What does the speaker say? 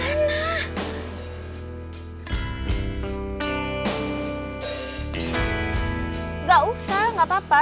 enggak usah nggak apa apa